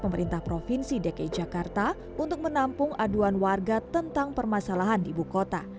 pemerintah provinsi dki jakarta untuk menampung aduan warga tentang permasalahan di ibu kota